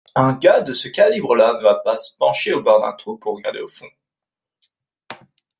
un gars de ce calibre-là ne va pas se pencher au bord d’un trou pour regarder au fond